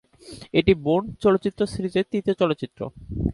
এটি বোর্ন চলচ্চিত্র সিরিজের তৃতীয় চলচ্চিত্র।